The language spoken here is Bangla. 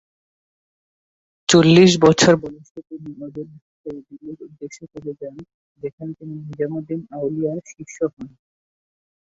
চল্লিশ বছর বয়সে তিনি অযোধ্যা ছেড়ে দিল্লীর উদ্দেশ্যে চলে যান, যেখানে তিনি নিজামুদ্দিন আউলিয়ার শিষ্য হন।